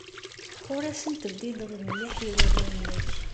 Ur asen-tebdideḍ mliḥ i warraw-nnek.